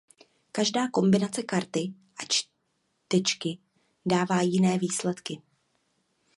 Každá kombinace karty a čtečky dává jiné výsledky.